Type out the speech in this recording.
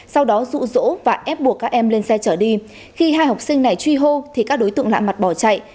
sau đó rụ rỗ và ép buộc các em lên xe chở đi khi hai học sinh này truy hô thì các đối tượng lạ mặt bỏ chạy